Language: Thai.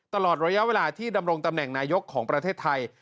ตลอดระยะเวลาที่ดำรงตำแหน่งนายกของประเทศไทย